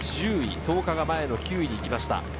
創価が前の９位に行きました。